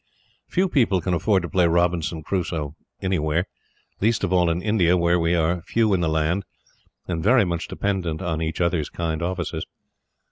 Few people can afford to play Robinson Crusoe anywhere least of all in India, where we are few in the land, and very much dependent on each other's kind offices.